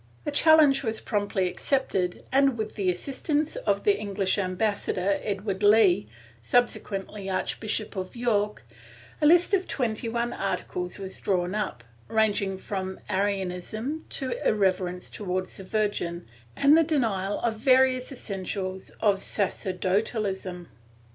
The challenge was promptly accepted and, with the assistance of the English Ambassador, Edward Lee, subse quently Archbishop of York, a list of twenty one articles was drawn up, ranging from Arianism to irreverence towards the Virgin and the denial of various essentials of sacerdotalism.